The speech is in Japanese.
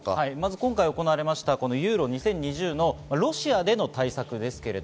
今回、行われたユーロ２０２０のロシアでの対策です。